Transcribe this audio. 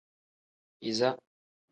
Iza.